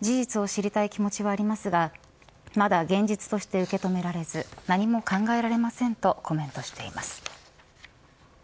事実を知りたい気持ちはありますがまだ現実として受け止められず何も考えられませんとコメントしています。